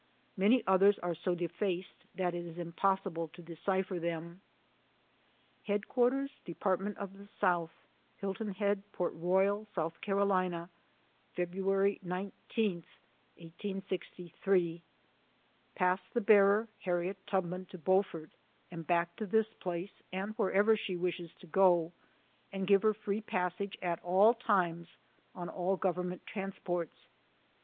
Many others are so defaced that it is impossible to decipher them. HEADQUARTERS DEPARTMENT OP THE SOUTH, HILTON HEAD, PORT ROYAL, S. C., Feb. 19, 1863. Pass the bearer, Harriet Tubman, to Beaufort and back to this place, and wherever she wishes to go ; and give her free passage at all times, on all Gov ernment transports.